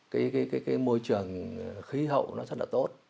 cái môi trường khí hậu nó rất là tốt